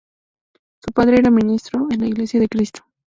Su padre era ministro en la Iglesia de Cristo.